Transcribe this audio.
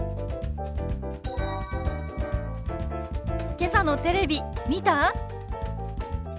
けさのテレビ見た？